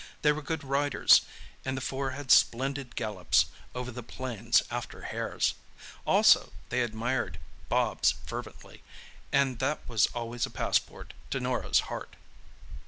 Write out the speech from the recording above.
They were good riders, and the four had splendid gallops over the plains after hares. Also they admired Bobs fervently, and that was always a passport to Norah's heart.